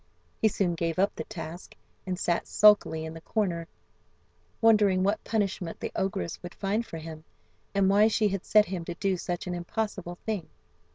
He soon gave up the task, and sat sulkily in the corner, wondering what punishment the ogress would find for him, and why she had set him to do such an impossible thing.